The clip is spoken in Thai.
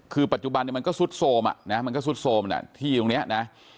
คือปัจจุบันมันก็ซุดโทรมอ่ะนะมันก็ซุดโทรมที่ตรงนี้นะ